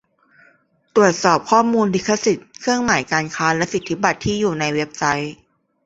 ตรวจสอบข้อมูลลิขสิทธิ์เครื่องหมายการค้าและสิทธิบัตรที่อยู่ในเว็บไซต์